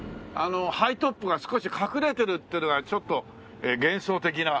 ハイトップが少し隠れてるっていうのがちょっと幻想的な。